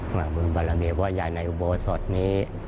พระบุญบาระเมียพ่อใหญ่ในอุโบสถนี้